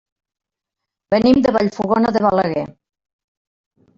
Venim de Vallfogona de Balaguer.